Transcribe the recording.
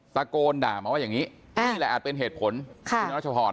ตะโกนด่ามาว่าอย่างนี้นี่แหละอาจเป็นมาเป็นเหตุผล